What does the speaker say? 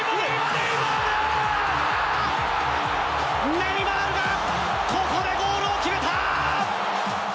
ネイマールがここでゴールを決めた！